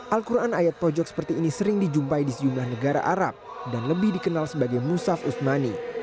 al quran ayat pojok seperti ini sering dijumpai di sejumlah negara arab dan lebih dikenal sebagai musaf usmani